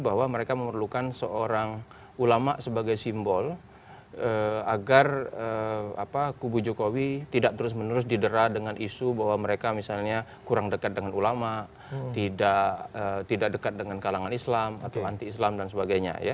bahwa mereka memerlukan seorang ulama sebagai simbol agar kubu jokowi tidak terus menerus didera dengan isu bahwa mereka misalnya kurang dekat dengan ulama tidak dekat dengan kalangan islam atau anti islam dan sebagainya